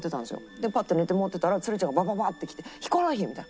でパッと寝てもうてたらつるちゃんがバババッて来て「ヒコロヒー！」みたいな。